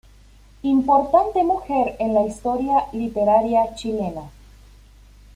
Importante mujer en la historia literaria chilena.